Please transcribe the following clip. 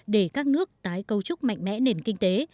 để các nước tái cấu trúc mạnh mẽ nền kinh tế